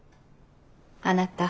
あなた。